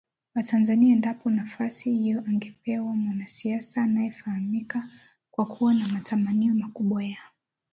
wa TanzaniaEndapo nafasi hiyo angepewa mwanasiasa anayefahamika kwa kuwa na matamanio makubwa ya